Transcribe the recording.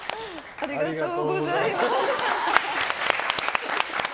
ありがとうございます。